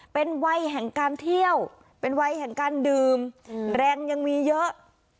เป็นวัยแห่งการเที่ยวเป็นวัยแห่งการดื่มแรงยังมีเยอะ